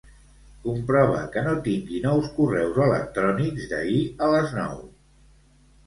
Comprova que no tingui nous correus electrònics d'ahir a les nou.